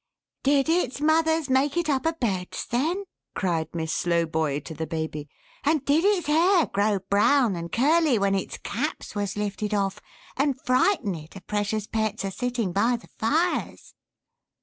"Did its mothers make it up a Beds then!" cried Miss Slowboy to the Baby; "and did its hair grow brown and curly, when its caps was lifted off, and frighten it, a precious Pets, a sitting by the fires!"